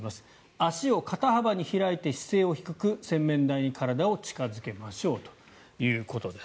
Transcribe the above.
足を肩幅に開いて姿勢を低く洗面台に体を近付けましょうということです。